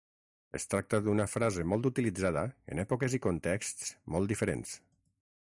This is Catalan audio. Es tracta d'una frase molt utilitzada, en èpoques i contexts molt diferents.